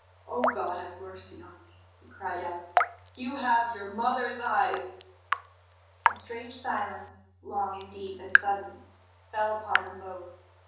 "Oh, God have mercy on me!" he cried out. "YOU HAVE YOUR MOTHER'S EYES!" A strange silence, long and deep and sudden, fell upon them both.